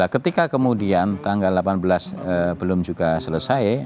ketika kemudian tanggal delapan belas belum juga selesai